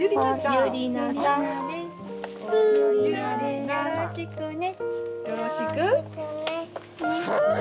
よろしくね。